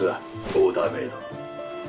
オーダーメイド！